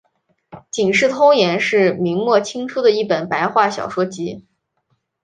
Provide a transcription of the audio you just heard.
警世通言是明末清初的一本白话小说集。